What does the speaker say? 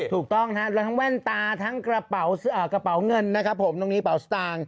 ถูกต้องครับแล้วทั้งแว่นตาทั้งกระเป๋าเงินนะครับผมตรงนี้เป๋าสตางค์